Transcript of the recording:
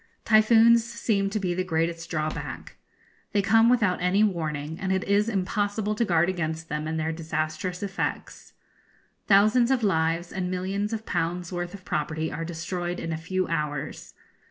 Typhoons seem to be the greatest drawback. They come without any warning, and it is impossible to guard against them and their disastrous effects. Thousands of lives, and millions of pounds' worth of property, are destroyed in a few hours.